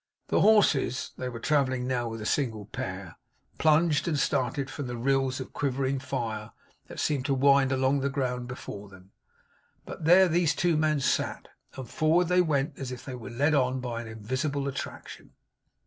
The horses (they were travelling now with a single pair) plunged and started from the rills of quivering fire that seemed to wind along the ground before them; but there these two men sat, and forward they went as if they were led on by an invisible attraction.